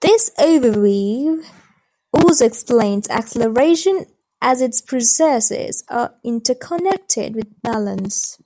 This overview also explains acceleration as its processes are interconnected with balance.